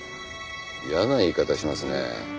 嫌な言い方しますね。